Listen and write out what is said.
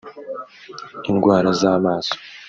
indwara z’amaso